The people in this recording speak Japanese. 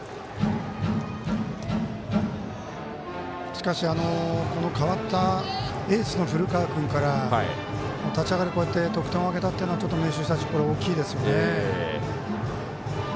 しかし代わったエースの古川君から立ち上がり、こうやって得点を挙げたというのは明秀日立大きいですよね。